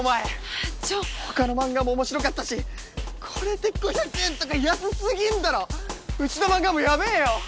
ああちょっほかの漫画も面白かったしこれで５００円とか安すぎんだろうちの漫画部やべえよ！